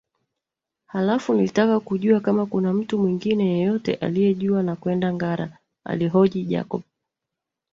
Halafu nilitaka kujua kama kuna mtu mwingine yeyote aliyejua nakwenda Ngara alihoji Jacob